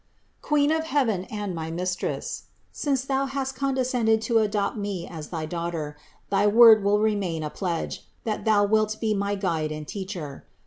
174. Queen of heaven and my Mistress, since Thou hast condescended to adopt me as thy daughter, thy word will remain a pledge, that Thou wilt be my Guide and Teacher.